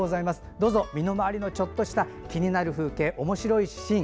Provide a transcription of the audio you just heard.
どうぞ、身の回りのちょっとした気になる風景おもしろいシーン